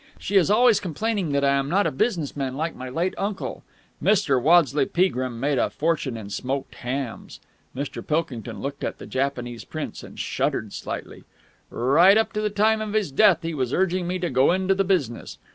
She is always complaining that I am not a business man like my late uncle. Mr. Waddesleigh Peagrim made a fortune in smoked hams." Mr. Pilkington looked at the Japanese prints, and shuddered slightly. "Right up to the time of his death he was urging me to go into the business.